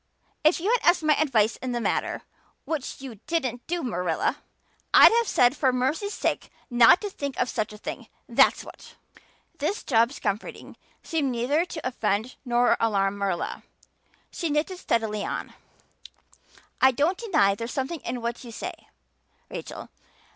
If you had asked my advice in the matter which you didn't do, Marilla I'd have said for mercy's sake not to think of such a thing, that's what." This Job's comforting seemed neither to offend nor to alarm Marilla. She knitted steadily on. "I don't deny there's something in what you say, Rachel.